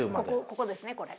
ここですねこれ。